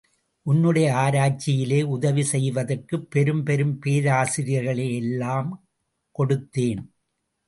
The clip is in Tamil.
உன்னுடைய ஆராய்ச்சியிலே உதவி செய்வதற்குப் பெரும் பெரும் பேராசிரியர்களையெல்லாம் கொடுத்தேன்.